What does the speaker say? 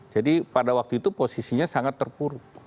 jadi pada waktu itu posisinya sangat terpuruk